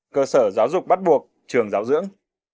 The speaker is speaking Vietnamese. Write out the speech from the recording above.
cơ sở giáo dục bắt buộc trường giáo dưỡng